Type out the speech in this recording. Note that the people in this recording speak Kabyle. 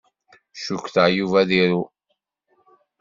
Cukkteɣ Yuba ad iru.